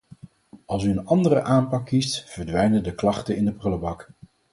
Als u een andere aanpak kiest, verdwijnen de klachten in de prullenbak.